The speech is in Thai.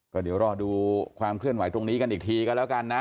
ก็เดี๋ยวรอดูความเคลื่อนไหวตรงนี้กันอีกทีก็แล้วกันนะ